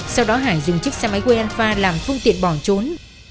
sau đó hải dùng chiếc xe máy wayanfa làm phương tiện bỏ trốn